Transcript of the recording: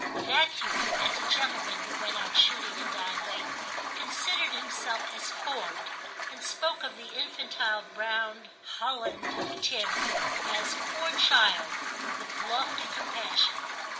That youth, as a gentleman who went out shooting and dined late, considered himself as formed, and spoke of the infantile brown hoUand Tim as * poor child ' with lofty com passion.